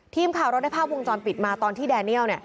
ทีมข่าวเราได้ภาพวงจรปิดมาตอนที่แดเนียล